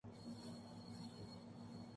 ان کا کہنا تھا کہ ہم یقین رکھتے ہیں